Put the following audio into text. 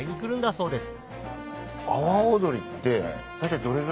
そうです。